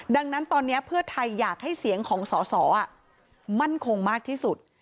ดังนั้นตอนนี้เพื่อไทยอยากให้เสียงของสอสอมั่นคงมากที่สุด